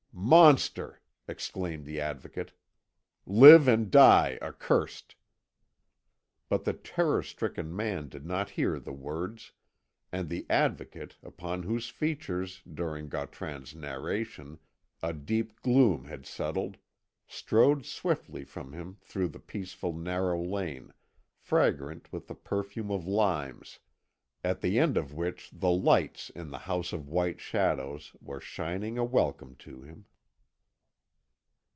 "Monster!" exclaimed the Advocate. "Live and die accursed!" But the terror stricken man did not hear the words, and the Advocate, upon whose features, during Gautran's narration, a deep gloom had settled, strode swiftly from him through the peaceful narrow lane, fragrant with the perfume of limes, at the end of which the lights in the House of White Shadows were shining a welcome to him.